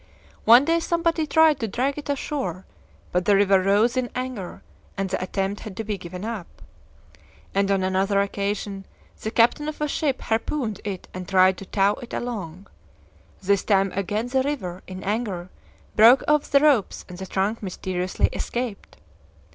One day somebody tried to drag it ashore, but the river rose in anger, and the attempt had to be given up. And on another occasion the captain of a ship harpooned it and tried to tow it along. This time again the river, in anger, broke off the ropes, and the trunk mysteriously escaped."